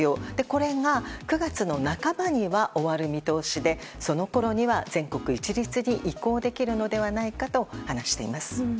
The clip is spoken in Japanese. これが９月の半ばには終わる見通しでそのころには全国一律に移行できるのではないかと話しています。